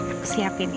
aku siapin ya